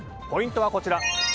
ポイントはこちら。